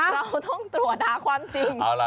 เราต้องตรวจหาความจริง